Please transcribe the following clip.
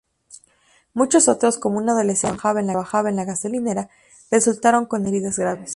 Muchos otros, como un adolescente que trabajaba en la gasolinera, resultaron con heridas graves.